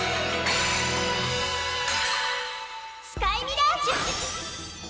スカイミラージュ！